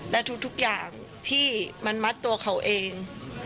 และทุกอย่างที่มันมัดตัวเขาเอง